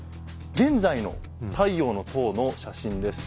現在の「太陽の塔」の写真です。